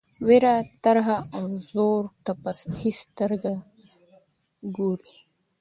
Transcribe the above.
وېره ترهه او زور ته په هیڅ سترګه ګوري.